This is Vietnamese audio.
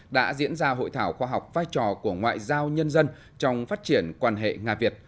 đã diễn ra hội thảo khoa học vai trò của ngoại giao nhân dân trong phát triển quan hệ nga việt